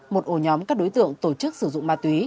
một ổ nhóm các đối tượng tổ chức sử dụng ma túy